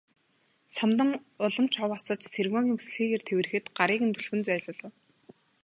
Самдан улам ч ов асаж Цэрэгмаагийн бүсэлхийгээр тэврэхэд гарыг нь түлхэн зайлуулав.